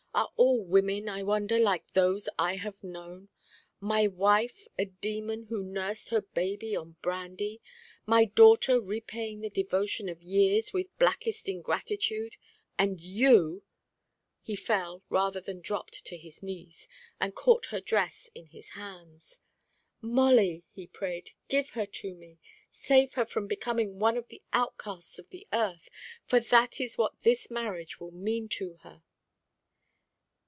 Are all women, I wonder, like those I have known? My wife, a demon who nursed her baby on brandy! My daughter, repaying the devotion of years with blackest ingratitude! And you " He fell, rather than dropped to his knees, and caught her dress in his hands. "Molly," he prayed, "give her to me. Save her from becoming one of the outcast of the earth. For that is what this marriage will mean to her."